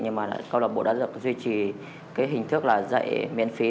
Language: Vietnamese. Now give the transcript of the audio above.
nhưng mà là câu lạc bộ đã được duy trì cái hình thức là dạy miễn phí